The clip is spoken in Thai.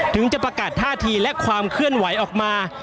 ถึงจะประกาศท่าทีและความเคลื่อนไหวออกมา